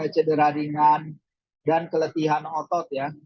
cederadingan dan keletihan otot ya